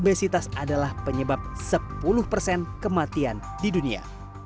obesitas adalah penyebab sepuluh persen kematian di dunia